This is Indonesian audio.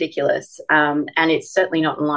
kerja ini sangat mengarut